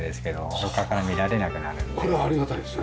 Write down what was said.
これありがたいですね。